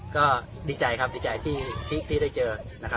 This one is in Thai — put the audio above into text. ก็ดีใจครับดีใจที่ได้เจอนะครับ